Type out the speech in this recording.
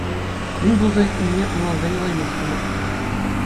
Мӗн пулса иртнине ӑнланса юлаймастӑмӑр.